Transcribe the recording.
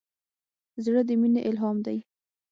زړه د مینې الهام دی.